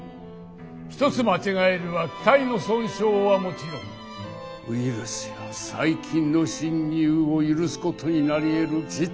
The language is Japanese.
一つ間違えれば機体の損傷はもちろんウイルスや細菌の侵入を許すことになりえる事態を招いたのです。